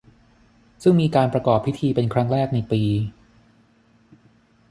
ซึ่งมีการประกอบพิธีเป็นครั้งแรกในปี